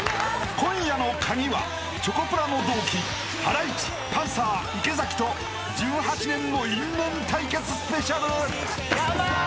［今夜の『カギ』はチョコプラの同期ハライチパンサー池崎と１８年の因縁対決スペシャル］